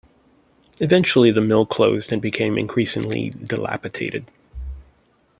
Eventually the mill closed and became increasingly dilapidated.